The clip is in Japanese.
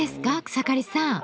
草刈さん。